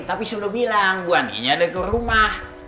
tapi sudah bilang ibu andiennya ada di rumah